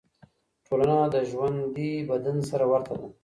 ټولنه د ژوندي بدن سره ورته ده.